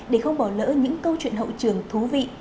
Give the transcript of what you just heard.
để không bỏ lỡ những câu chuyện hậu trường thú vị